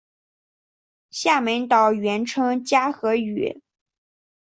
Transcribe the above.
厦门岛原称嘉禾屿。